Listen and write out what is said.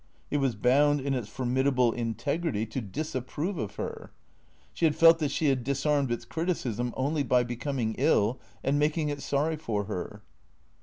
It was bound, in its formidable integrity, to disapprove of her. She had felt that she had disarmed its criticism only by becoming ill and making it sorry for her.